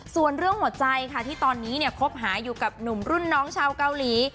ส่วนเรื่องหัวใจค่ะที่ตอนนี้เนี่ยคบหาอยู่กับหนุ่มรุ่นน้องชาวเกาหลี